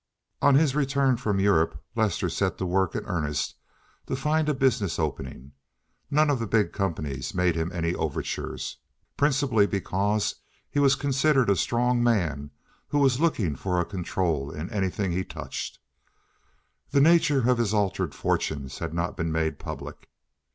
On his return from Europe Lester set to work in earnest to find a business opening. None of the big companies made him any overtures, principally because he was considered a strong man who was looking for a control in anything he touched. The nature of his altered fortunes had not been made public.